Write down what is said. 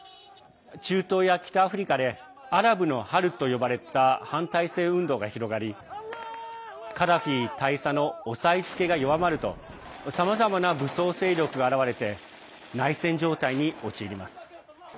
中東や北アフリカでアラブの春と呼ばれた反体制運動が広がりカダフィ大佐の押さえつけが弱まるとさまざまな武装勢力が現れて内戦状態に陥ります。